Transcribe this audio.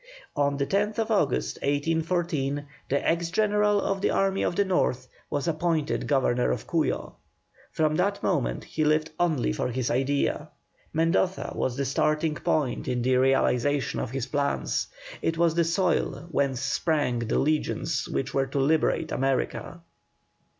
On the 10th August, 1814, the ex General of the Army of the North was appointed Governor of Cuyo. From that moment he lived only for his idea. Mendoza was the starting point in the realization of his plans; it was the soil whence sprang the legions which were to liberate America.